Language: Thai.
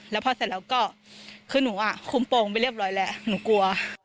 แล้วพอเสร็จแล้วก็คือหนูคุมโปรงไปเรียบร้อยแล้วหนูกลัว